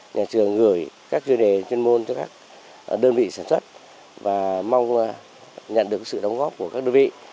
nhà trường gửi các chuyên đề chuyên môn cho các đơn vị sản xuất và mong nhận được sự đóng góp của các đơn vị